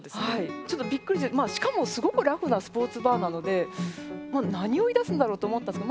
ちょっとびっくりしてしかもすごくラフなスポーツバーなので何を言いだすんだろうと思ったんですけど